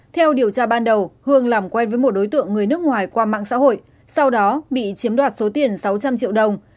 theo điều tra ban đầu hương làm quen với một đối tượng người nước ngoài qua mạng xã hội sau đó bị chiếm đoạt số tiền sáu trăm linh triệu đồng